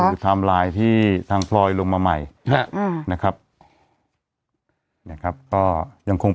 คือไทม์ไลน์ที่ทางพลอยลงมาใหม่นะครับนะครับก็ยังคง